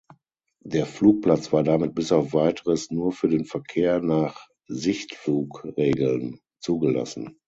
Der Flugplatz war damit bis auf weiteres nur für den Verkehr nach Sichtflugregeln zugelassen.